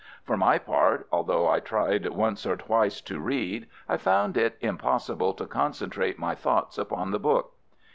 For my part, although I tried once or twice to read, I found it impossible to concentrate my thoughts upon the book.